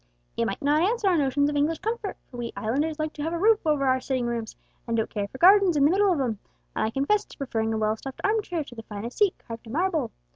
It might not answer our notions of English comfort, for we Islanders like to have a roof over our sitting rooms, and don't care for gardens in the middle of 'em; and I confess to preferring a well stuffed arm chair to the finest seat carved in marble.